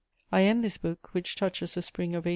I end this book, which touches the spring of 1800.